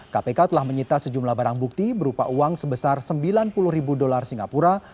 kpk telah menyita sejumlah barang bukti berupa uang sebesar sembilan puluh ribu dolar singapura